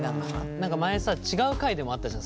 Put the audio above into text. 前さ違う回でもあったじゃん。